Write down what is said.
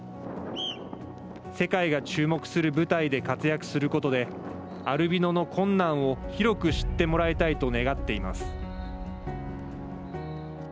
世界が注目する舞台で活躍することでアルビノの困難を広く知ってもらいたいと願っています。